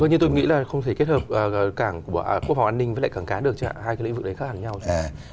vâng nhưng tôi nghĩ là không thể kết hợp quốc phòng an ninh với lại cảng cá được chứ hả hai cái lĩnh vực đấy khác hẳn nhau chứ